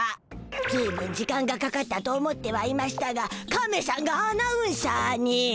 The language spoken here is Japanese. ずいぶん時間がかかったと思ってはいましゅたがカメしゃんがアナウンサーに？